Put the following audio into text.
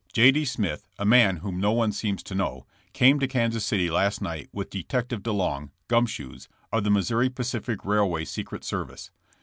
J. D. Smith, a man whom no one seems to know, came to Kansas City last night with Detective De Long ("Gum Shoes") of the Missouri Pacific railway secret service.